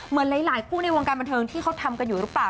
เหมือนหลายคู่ในวงการบันเทิงที่เขาทำกันอยู่หรือเปล่า